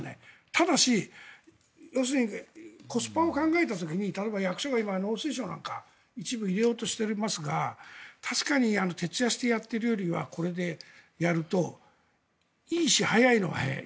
ただし、要するにコスパを考えた時に例えば役所が今、農水省なんか一部入れようとしていますが確かに徹夜してやってるよりはこれでやるといいし、早いのは早い。